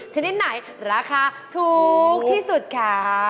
ชนิดไหนราคาถูกที่สุดคะ